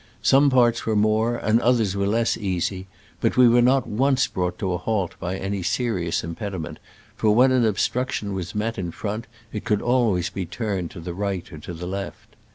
Some parts were more and others were less easy, but we were not once brought to a halt by any serious impediment, for when an obstruction was met in front it could always be turned to the right or to the left.